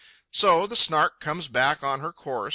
So the Snark comes back on her course.